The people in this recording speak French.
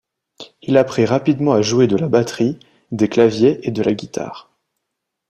Il apprit rapidement à jouer de la batterie, des claviers et de la guitare.